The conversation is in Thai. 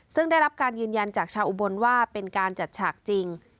ซึ่งได้รับการยืนยันจากชาวอุบลว่าเป็นการจัดฉากจริง